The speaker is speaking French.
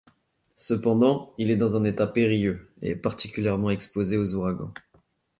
Cependant, il est dans un état périlleux et est particulièrement exposée aux ouragans.